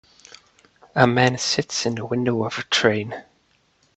A man sits in the window of a train.